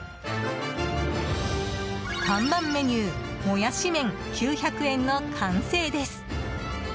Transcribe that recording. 看板メニューもやし麺、９００円の完成です。